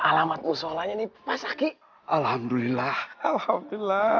halang manusia bahkan bahagia jangan yakin sama mahasiswa